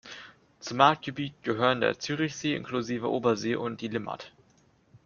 Zum Marktgebiet gehören der Zürichsee inklusive Obersee und die Limmat.